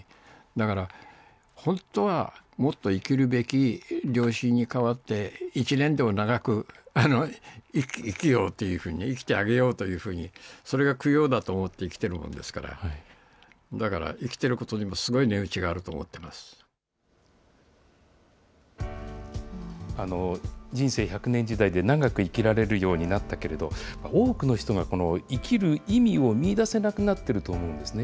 だから、本当はもっと生きるべき両親に代わって、１年でも長く生きようというふうに、生きてあげようというふうに、それが供養だと思って生きてるもんですから、だから生きていることにもすごい人生１００年時代で長く生きられるようになったけれども、多くの人が生きる意味を見いだせなくなってると思うんですね。